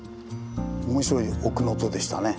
面白い奥能登でしたね。